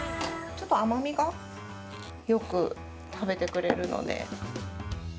ちょっと甘みがよく食べてくれるので。